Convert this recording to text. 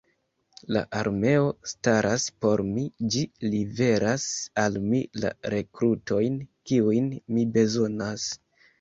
La armeo staras por mi: ĝi liveras al mi la rekrutojn, kiujn mi bezonas.